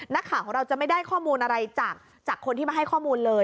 นักข่าวของเราจะไม่ได้ข้อมูลอะไรจากคนที่มาให้ข้อมูลเลย